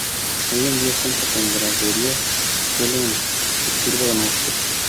Hoy en día cuenta con graderías solo en su curva Norte.